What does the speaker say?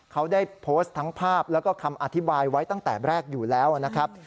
เขาได้โพสต์ทั้งภาพแล้วก็คำอธิบายไว้ตั้งแต่แรกอยู่แล้วนะครับ